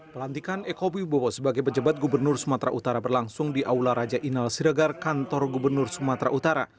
pelantikan eko wibowo sebagai pejabat gubernur sumatera utara berlangsung di aula raja inal siregar kantor gubernur sumatera utara